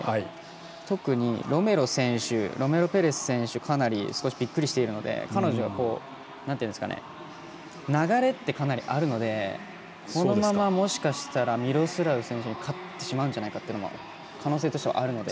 特に、ロメロペレス選手かなり、びっくりしているので流れってかなりあるのでそのまま、もしかしたらミロスラフ選手に勝ってしまうんじゃないかというのも可能性としてはあるので。